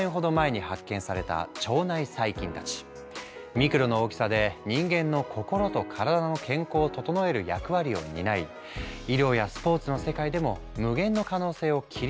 ミクロの大きさで人間の心と体の健康を整える役割を担い医療やスポーツの世界でも無限の可能性を切り開こうとしている。